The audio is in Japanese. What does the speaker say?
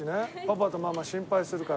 パパとママ心配するから。